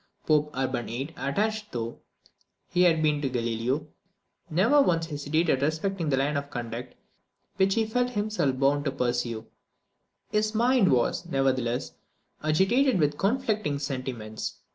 Pope Urban VIII., attached though he had been to Galileo, never once hesitated respecting the line of conduct which he felt himself bound to pursue. His mind was, nevertheless, agitated with conflicting sentiments.